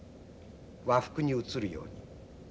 和服に映るように。